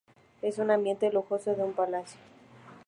Es un ambiente lujoso de un palacio.